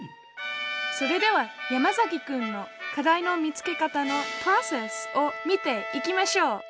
それでは山崎くんの「課題の見つけ方のプロセス」を見ていきましょう。